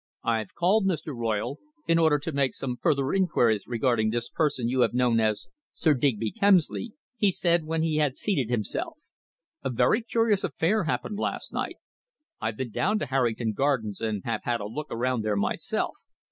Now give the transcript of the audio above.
"I've called, Mr. Royle, in order to make some further inquiries regarding this person you have known as Sir Digby Kemsley," he said when he had seated himself. "A very curious affair happened last night. I've been down to Harrington Gardens, and have had a look around there myself.